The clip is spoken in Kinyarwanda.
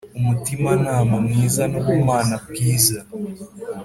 umutimanama mwiza nubumana bwiza